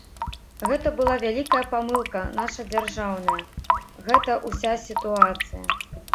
Гэта была вялікая памылка наша дзяржаўная, гэта ўся сітуацыя.